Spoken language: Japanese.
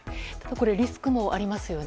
リスクもありますよね。